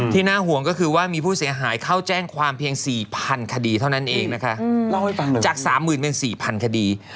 ที่น่าหวงก็คือว่ามีผู้เสี่ยงหายเข้าแจ้งความเพียง๔๐๐๐คดีเท่านั้นเองจาก๓๐๐๐๐เป็น๔๐๐๐คดี